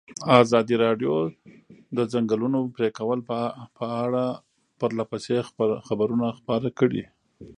ازادي راډیو د د ځنګلونو پرېکول په اړه پرله پسې خبرونه خپاره کړي.